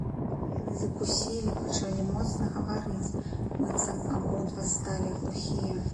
Яны закусілі, пачалі моцна гаварыць, быццам абодва сталі глухія.